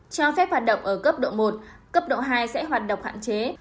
cho phép hoạt động ở cấp độ một cấp độ hai sẽ hoạt động hạn chế